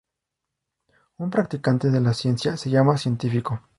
Un practicante de la ciencia se llama un "científico".